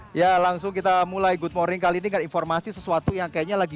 hai ya langsung kita mulai good morning kali ini kan informasi sesuatu yang kayaknya lagi